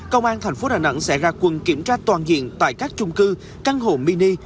công an tp đà nẵng sẽ ra quân kiểm tra toàn diện tại các trung cư căn hộ mini